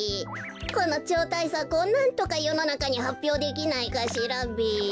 このちょうたいさくをなんとかよのなかにはっぴょうできないかしらべ。